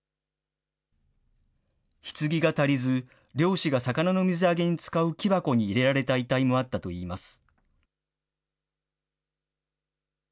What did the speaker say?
ひつぎが足りず、漁師が魚の水揚げに使う木箱に入れられた遺体もあったといいます。